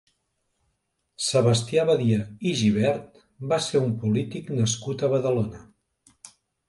Sebastià Badia i Gibert va ser un polític nascut a Badalona.